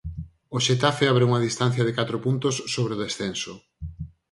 O Xetafe abre unha distancia de catro puntos sobre o descenso.